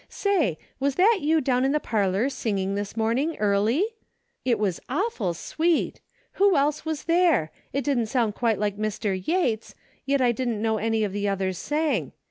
Say, was that you down in the parlor singing this morn ing early ? It was awful sweet ! Who else was there? It didn't sound quite like Mr. Yates, but I didn't know any of the others sang.